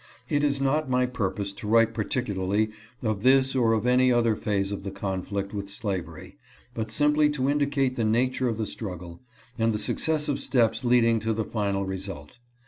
It is not my purpose to write particularly of this or of any other phase of the conflict with slavery, but simply to indicate the nature of the struggle, and the successive steps leading to the final result.